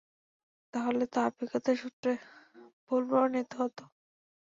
তাহলে তো আপেক্ষিকতার সূত্র ভুল প্রমাণিত হতো।